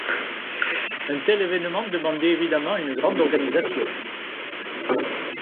Un tel événement demandait évidemment une grande organisation.